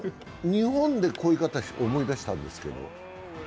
日本でこういう方、思い出したんですけど？